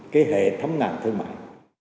cái hệ thống nàm thương mại